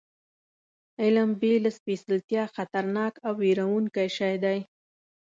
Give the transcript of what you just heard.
علم بې له سپېڅلتیا خطرناک او وېروونکی شی دی.